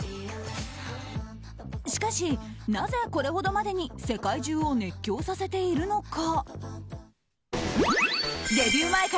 しかし、なぜこれほどまでに世界中を熱狂させているのか。